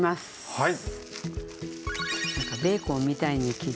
はい。